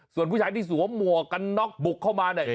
ส่วนผู้ชายที่สวมหมวกกันน็อกบุกเข้ามาเนี่ย